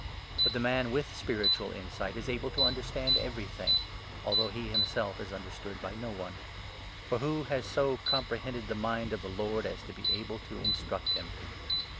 But the man with spiritual insight is able to understand 15 everything, although he himself is understood by no one. For ' who has so comprehended the mind of the Lord as 16 to be able to instruct him